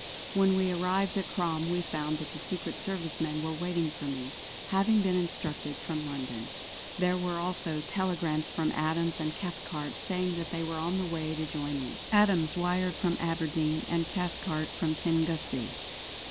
When we arrived at Crom we found that the Secret Service men were waiting for me, having been instructed from London. There were also telegrams from Adams and Cathcart saying that they were on the way to join me. Adams wired from Aberdeen, and Cathcart from Kingussie.